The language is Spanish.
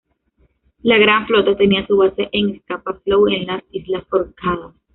La "Gran Flota", tenía su base en Scapa Flow, en las Islas Orcadas.